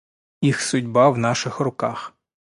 Их судьба в наших руках.